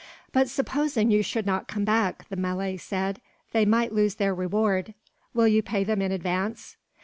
"But supposing you should not come back," the Malay said, "they might lose their reward. Will you pay them in advance?"